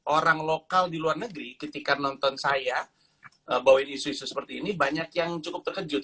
orang lokal di luar negeri ketika nonton saya bawain isu isu seperti ini banyak yang cukup terkejut